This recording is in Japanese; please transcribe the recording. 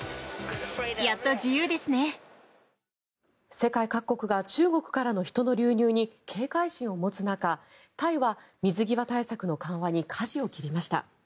世界各国が中国からの人の流入に警戒心を持つ中タイは水際対策の緩和にかじを切りました。